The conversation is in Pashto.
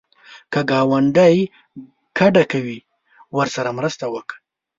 که ګاونډی کډه کوي، ورسره مرسته وکړه